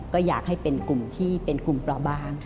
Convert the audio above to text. ก็อยากให้เป็นกลุ่มที่เป็นกลุ่มปลอบาง